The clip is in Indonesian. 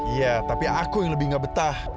iya tapi aku yang lebih gak betah